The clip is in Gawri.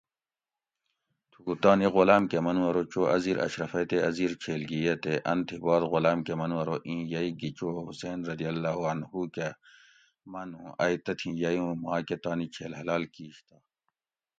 تھُکو تانی غلام کۤہ منو ارو چو اۤ زیر اشرفئ تے اۤ زیر چھیل گی یۤہ تے ان تھی باد غلام کۤہ منُو ارو اِیں یئ گی چو حُسین رضی اللّٰہ عنہُ کۤہ من اُوں ائ تتھیں یئ اُوں ماکۤہ تانی چھیل حلال کِیش تہ